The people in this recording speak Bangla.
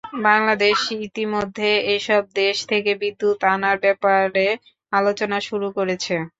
বাংলাদেশ ইতিমধ্যে এসব দেশ থেকে বিদ্যুৎ আনার ব্যাপারে আলোচনা শুরু করেছে।